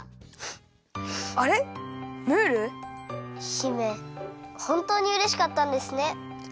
姫ほんとうにうれしかったんですね！